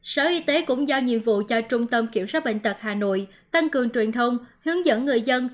sở y tế cũng giao nhiệm vụ cho trung tâm kiểm soát bệnh tật hà nội tăng cường truyền thông hướng dẫn người dân